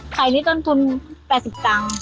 ไข่นี้ต้นทุน๘๐ตังค์